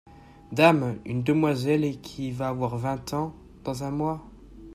Dame !… une demoiselle qui va avoir vingt ans… dans un mois…